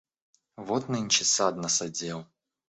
Вот нынче сад насадил.